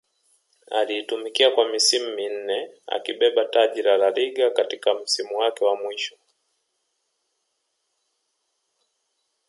aliitumikia kwa misimu minne akibeba taji la La Liga katika msimu wake mwisho